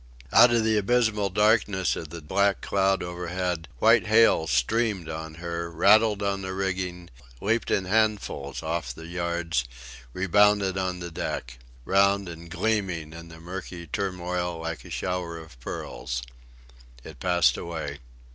Out of the abysmal darkness of the black cloud overhead white hail streamed on her, rattled on the rigging, leaped in handfuls off the yards, rebounded on the deck round and gleaming in the murky turmoil like a shower of pearls. It passed away.